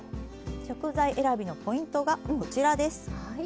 食材選びのポイントがこちらです。